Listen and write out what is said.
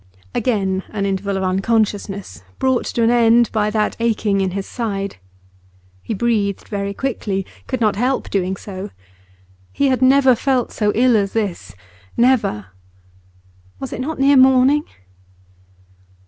Again an interval of unconsciousness, brought to an end by that aching in his side. He breathed very quickly; could not help doing so. He had never felt so ill as this, never. Was it not near morning?